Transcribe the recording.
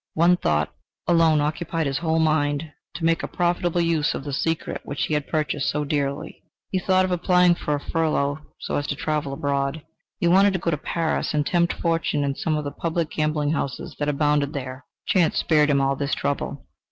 One thought alone occupied his whole mind to make a profitable use of the secret which he had purchased so dearly. He thought of applying for a furlough so as to travel abroad. He wanted to go to Paris and tempt fortune in some of the public gambling houses that abounded there. Chance spared him all this trouble.